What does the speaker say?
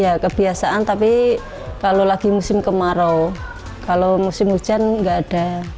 ya kebiasaan tapi kalau lagi musim kemarau kalau musim hujan nggak ada